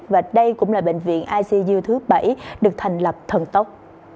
và đây cũng là bệnh viện icu thứ bảy được thành lập thần tốc